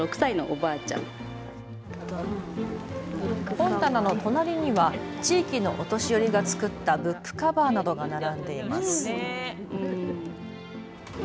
本棚の隣には地域のお年寄りが作ったブックカバーなどが並んでいます。